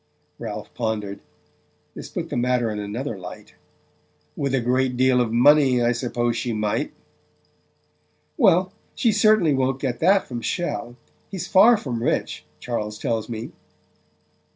Ralph pondered: this put the matter in another light. "With a great deal of money I suppose she might." "Well, she certainly won't get that from Chelles. He's far from rich, Charles tells me."